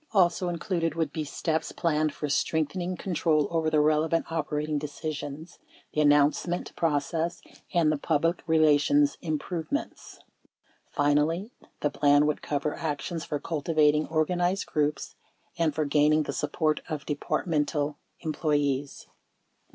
Also included would be steps planned for strengthening control over the relevant operating decisions, the announcement process, and the public relations improvements. Finally, the plan would cover actions for cultivating organized groups and for gaining the support of Departmental employees.